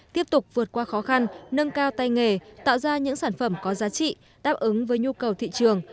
tiếp tục vượt qua khó khăn nâng cao tay nghề tạo ra những sản phẩm có giá trị đáp ứng với nhu cầu thị trường